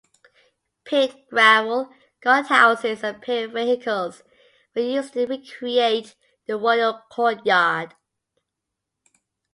Pink gravel, guard houses and period vehicles were used to recreate the royal courtyard.